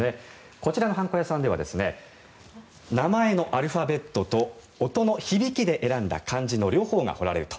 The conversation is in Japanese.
こちらの判子屋さんでは名前のアルファベットと音の響きで選んだ漢字の両方が彫られると。